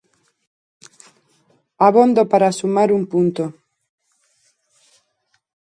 Abondo para sumar un punto.